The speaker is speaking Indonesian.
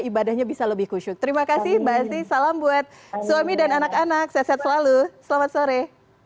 ibadahnya bisa lebih khusyuk terima kasih mbak astri salam buat suami dan anak anak sehat selalu selamat sore